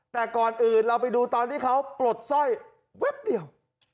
แต่ก่อนอื่นเราไปดูตอนที่เขาปลดสร้อยแวบเดียว